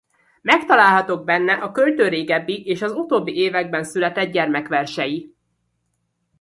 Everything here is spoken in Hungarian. Megtalálhatók benne a költő régebbi és az utóbbi években született gyermekversei.